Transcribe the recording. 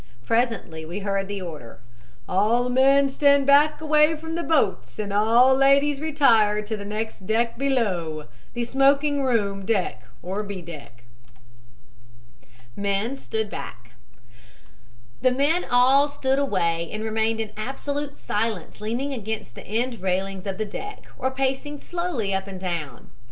Presently we heard the order: "'All men stand back away from the boats, and all ladies retire to next deck below' the smoking room deck or B deck. MEN STOOD BACK "The men all stood away and remained in absolute silence leaning against the end railings of the deck or pacing slowly up and down.